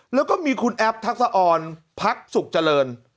แล้วก็มีคุณแอปทักษะออนพักสุขเจริญ